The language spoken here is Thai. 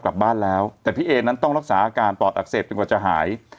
กลับบ้านแล้วแต่พี่เอนั้นต้องรักษาอาการปอดอักเสบจนกว่าจะหาย